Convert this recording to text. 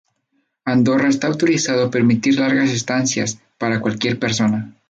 Andorra está autorizado a permitir largas estancias para cualquier persona.